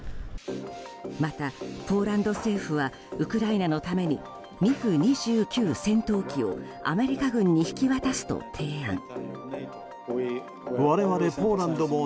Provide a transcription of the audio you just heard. また、ポーランド政府はウクライナのためにＭｉＧ２９戦闘機をアメリカに引き渡すと提案。